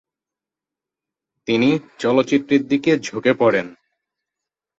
তিনি চলচ্চিত্রের দিকে ঝুঁকে পড়েন।